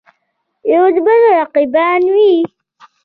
یودبل رقیبان وي.